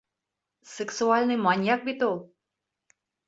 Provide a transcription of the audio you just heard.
Сексуальный маньяк бит ул!